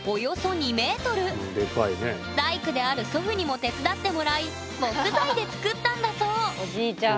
大工である祖父にも手伝ってもらい木材で作ったんだそうおじいちゃん。